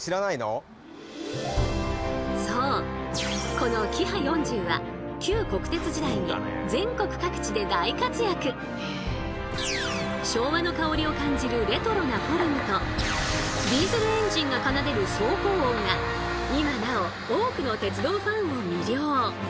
このキハ４０は昭和の薫りを感じるレトロなフォルムとディーゼルエンジンが奏でる走行音が今なお多くの鉄道ファンを魅了。